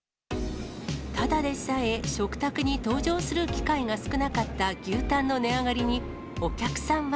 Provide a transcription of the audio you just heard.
ただでさえ食卓に登場する機会が少なかった牛タンの値上がりに、お客さんは。